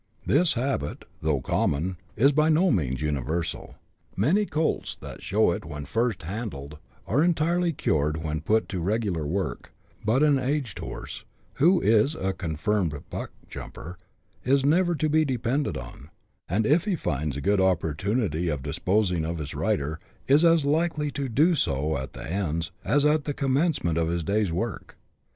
This habit, though common, is by no means universal : many colts that show it when first handled, are entirely cured when put to regular work ; but an aged horse, who is a confirmed buckjumper, is never to be depended on, and if he finds a good opportunity of disposing of his rider, is as likely to do so at the end as at the commencement of his day's work.